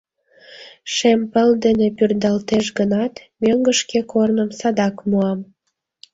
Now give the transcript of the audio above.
Шем пыл дене пӱрдалтеш гынат, мӧҥгышкӧ корным садак муам...